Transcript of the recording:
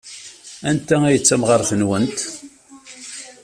Anta ay d tamɣart-nwent?